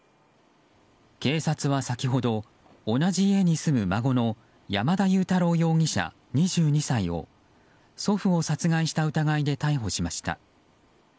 警察は先ほど、同じ家に住む孫の山田悠太郎容疑者、２２歳を祖父を殺害した疑いで逮捕しました。